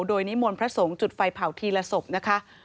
โดยนิมนต์พระสงฆ์จุดไฟเผาทีละศพนะคะ